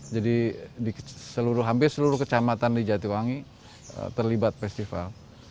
jadi di seluruh hampir seluruh kecamatan di jatiwangi terlibat festival